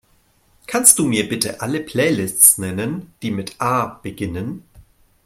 Kannst Du mir bitte alle Playlists nennen, die mit A beginnen?